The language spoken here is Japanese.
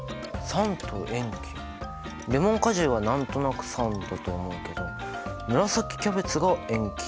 レモン果汁は何となく酸だと思うけど紫キャベツが塩基ってこと？